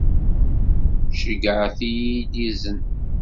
Ceyyɛet-iyi-d izen.